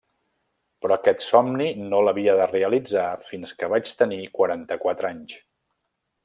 Però aquest somni no l’havia de realitzar fins que vaig tenir quaranta-quatre anys.